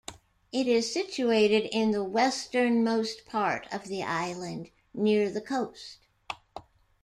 It is situated in the westernmost part of the island, near the coast.